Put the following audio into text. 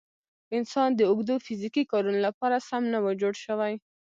انسان د اوږدو فیزیکي کارونو لپاره سم نه و جوړ شوی.